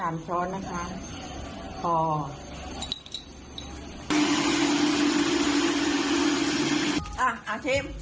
อ่ะช้ำ